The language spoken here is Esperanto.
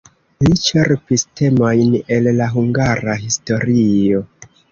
Li ĉerpis temojn el la hungara historio.